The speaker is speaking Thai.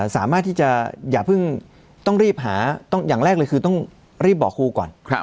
สามารถที่จะอย่าเพิ่งต้องรีบหาอย่างแรกเลยคือต้องรีบบอกครูก่อน